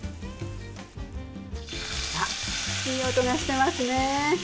いい音がしてますね。